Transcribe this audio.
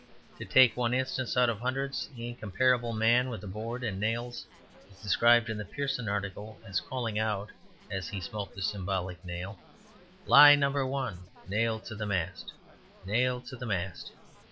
To take one instance out of hundreds, the incomparable man with the board and nails is described in the Pearson's article as calling out (as he smote the symbolic nail), "Lie number one. Nailed to the Mast! Nailed to the Mast!"